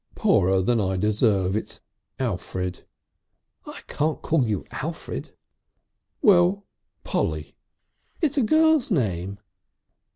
"Poorer than I deserve. It's Alfred." "I can't call you Alfred." "Well, Polly." "It's a girl's name!"